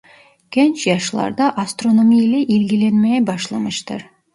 Genç yaşlarda astronomi ile ilgilenmeye başlamıştır.